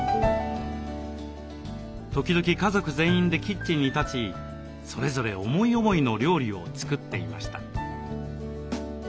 時々家族全員でキッチンに立ちそれぞれ思い思いの料理を作っていました。